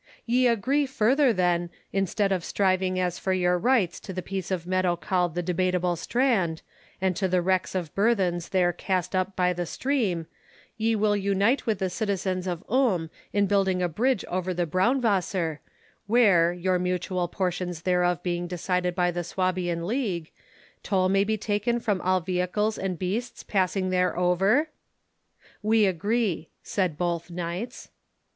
"Ye agree, further, then, instead of striving as to your rights to the piece of meadow called the Debateable Strand, and to the wrecks of burthens there cast up by the stream, ye will unite with the citizens of Ulm in building a bridge over the Braunwasser, where, your mutual portions thereof being decided by the Swabian League, toll may be taken from all vehicles and beasts passing there over?" "We agree," said both knights.